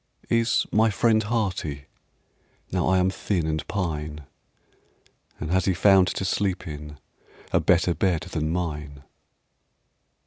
"Is my friend hearty, Now I am thin and pine, And has he found to sleep in A better bed than mine?"